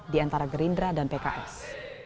di antara gerindra dan pks